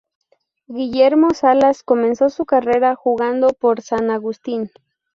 Guillermo Salas comenzó su carrera jugando por San Agustín.